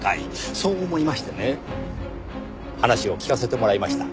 そう思いましてね話を聞かせてもらいました。